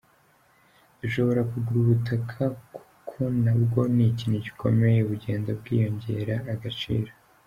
Dushobora kugura ubutaka kuko nabwo n’ikintu gikomeye bugenda bwiyongera agaciro.